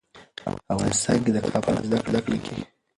افغانستان کې د کابل په اړه زده کړه کېږي.